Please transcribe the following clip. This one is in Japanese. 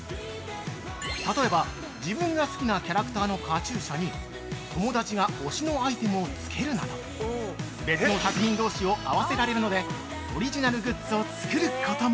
◆例えば、自分が好きなキャラクターのカチューシャに友達が推しのアイテムをつけるなど、別の作品同士を合わせられるのでオリジナルグッズを作ることも！